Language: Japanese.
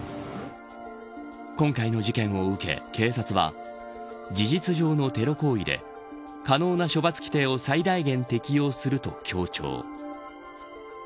今回の事件を受け、警察は事実上のテロ行為で可能な処罰規定を最大限適用すると強調。